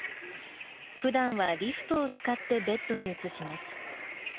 ふだんはリフトを使ってベッドに移します。